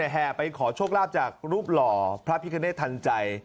แห่ไปขอโชคลาภจากรูปหล่อพระพิคเนธทันใจ